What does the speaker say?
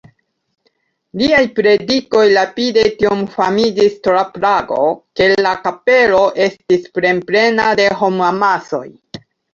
Liaj predikoj rapide tiom famiĝis tra Prago, ke la kapelo estis plenplena de homamasoj.